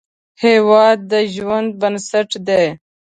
هیواد د ژوند بنسټ دی